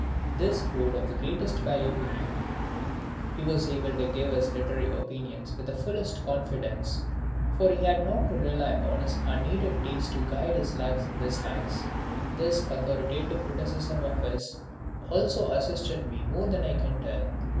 This proved of the greatest value to me. He was able to give his literary opinions with the fullest confidence, for he had not to rely on his unaided taste to guide his likes and dislikes. This authoritative criticism of his also assisted me more than I can tell.